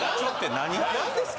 ・・何ですか？